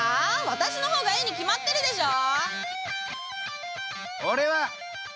私の方がいいに決まってるでしょ！